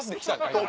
今。